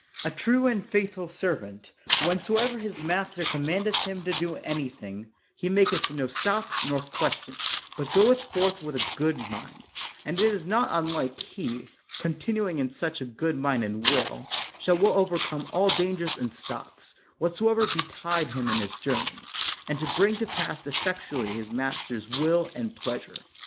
A true and faithful servant, whensoever his 12 LATIMER master commandeth him to do anything, he maketh no stops nor questions, but goeth forth with a good mind; and it is not unlike he, con tinuing in such a good mind and will, shall well overcome all dangers and stops, whatsoever betide him in his journey, and bring to pass effectually his master 's will and pleasure.